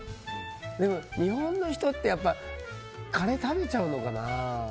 日本の人ってカレー食べちゃうのかな。